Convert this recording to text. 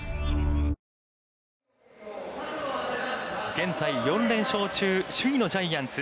現在４連勝中、首位のジャイアンツ。